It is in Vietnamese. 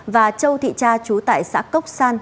và châu thị tra trú tại xã cốc san